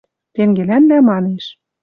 Тенгелӓнлӓ манеш: